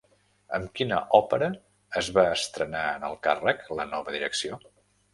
Amb quina òpera es va estrenar en el càrrec la nova direcció?